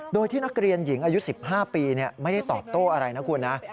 โดยที่นักเรียนหญิงอายุ๑๕ปีไม่ได้ตอบโต้อะไรนะคุณนะ